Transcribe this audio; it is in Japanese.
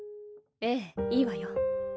ええいいわよ。